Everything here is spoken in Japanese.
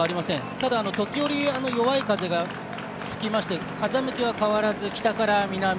ただ、時折弱い風が吹きまして風向きは変わらず北から南。